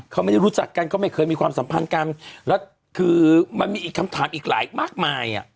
เขาไม่ได้รู้จักกันก็ไม่เคยมีความสัมพันธ์กันแล้วคือมันมีอีกคำถามอีกหลายมากมายอ่ะ